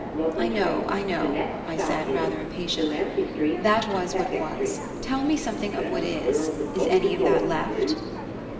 "I know, I know," I said, rather impatiently. "That was what was; tell me something of what is. Is any of that left?"